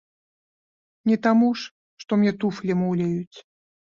Не таму ж, што мне туфлі муляюць.